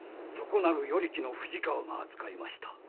なる与力の藤川が扱いました。